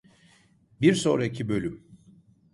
Bir sonraki bölüm…